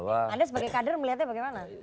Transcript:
anda sebagai kader melihatnya bagaimana